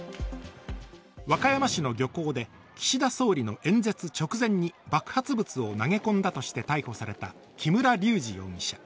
和歌山市の漁港で岸田総理の演説直前に爆発物を投げ込んだとして逮捕された木村隆二容疑者。